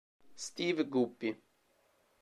Steve Guppy